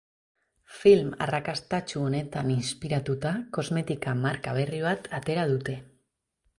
Film arrakastatsu honetan inspiratuta, kosmetika marka berri bat atera dute.